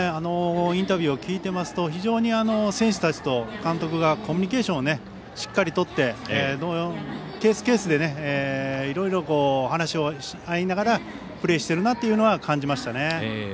インタビューを聞いてますと非常に選手たちと監督が、コミュニケーションをしっかりとってケースケースでいろいろ話し合いながらプレーしているなというのは感じましたね。